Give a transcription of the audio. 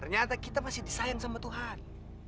ternyata kita masih disayang sama tuhan